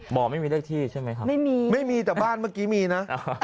หมอไม่มีเลือกที่ใช่ไหมครับไม่มีแต่บ้านเมื่อกี้มีนะ